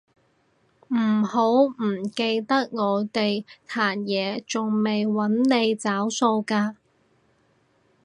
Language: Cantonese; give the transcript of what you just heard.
唔好唔記得我哋壇野仲未搵你找數㗎